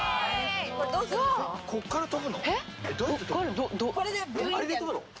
こっから飛ぶの？